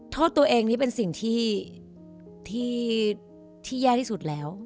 โทษตัวเองนี่เป็นสิ่งที่แย่ที่สุดแล้ว